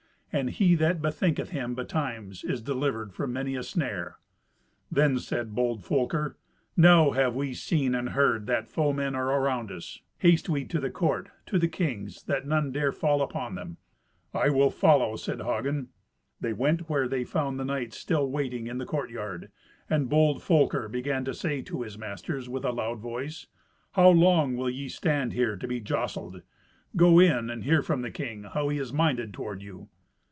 And he that bethinketh him betimes is delivered from many a snare. Then said bold Folker, "Now have we seen and heard that foemen are around us. Haste we to the court, to the kings, that none dare fall upon them." "I will follow," said Hagen. They went where they found the knights still waiting in the courtyard; and bold Folker began to say to his masters with a loud voice, "How long will ye stand here to be jostled? Go in and hear from the king how he is minded toward you."